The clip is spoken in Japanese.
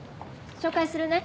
紹介するね。